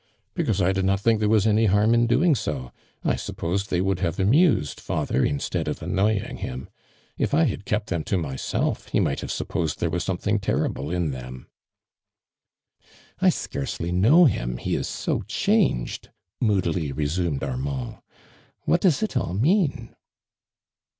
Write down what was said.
"Because I did not think there was any harm in doing so. I supposed they would have amused father instead of annoying him. If I had kept them to myself, he might hava supposed there was something terrible in them." " I scarcely know him, he is so changed !" moodily resumed Armand. "What doea it all mean?"